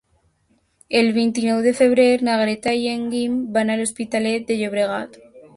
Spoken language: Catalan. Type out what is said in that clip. El vint-i-nou de febrer na Greta i en Guim van a l'Hospitalet de Llobregat.